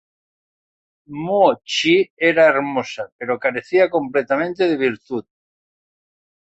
Mo Xi era hermosa, pero carecía completamente de virtud.